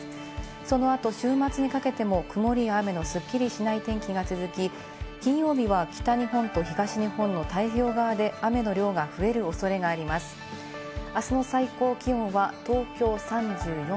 その後、週末にかけても曇りや雨のすっきりしない天気が続き、金曜日は北日本と東日本の太平洋側で雨の量が増える恐れがありまアロマのエッセンス？